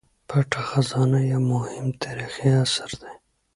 پټه خزانه یو مهم تاریخي اثر دی.